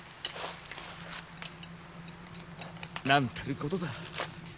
なんたることだ。